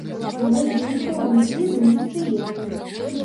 А вось грунтоўных ведаў не стае.